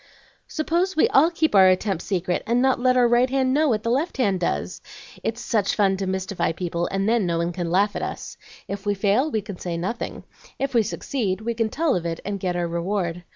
"Suppose we all keep our attempts secret, and not let our right hand know what the left hand does? It's such fun to mystify people, and then no one can laugh at us. If we fail, we can say nothing; if we succeed, we can tell of it and get our reward.